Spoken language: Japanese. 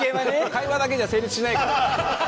会話だけじゃ成立しない。